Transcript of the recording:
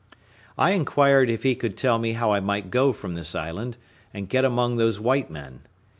I inquired if he could tell me how I might go from this island, and get among those white men.